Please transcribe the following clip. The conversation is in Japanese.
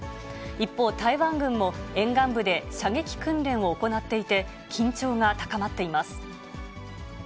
一方、台湾軍も沿岸部で射撃訓練を行っていて、緊張が高まっています。